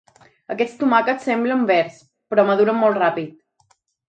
Aquests tomàquets semblen verds, però maduren molt ràpid.